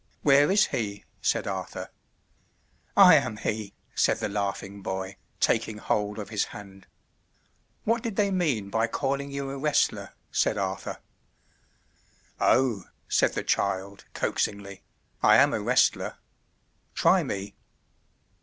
"Where is he?" said Arthur. "I am he," said the laughing boy, taking hold of his hand. "What did they mean by calling you a wrestler?" said Arthur. "Oh," said the child coaxingly, "I am a wrestler. Try me."